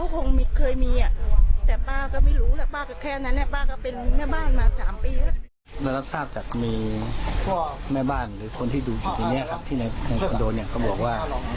ทีนี้ครับที่ในความโดนเขาบอกว่า